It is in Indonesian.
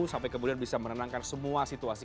sampai kemudian bisa menenangkan semua situasi